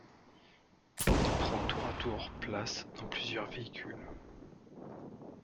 Il prend tour à tour place dans plusieurs véhicules.